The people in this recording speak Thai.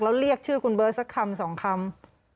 แล้วเรียกชื่อคุณเบิร์ตสักคำสองคำ